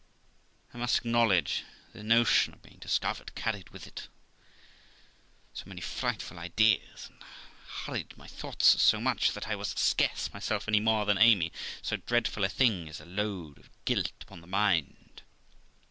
I must acknowledge, the notion of being discovered carried with it so many frightful ideas, and hurried my thoughts so much, that I was scarce myself any more than Amy, so dreadful a thing is a load of guilt upon the mind.